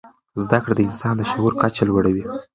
زده کړه د انسان د شعور کچه لوړوي.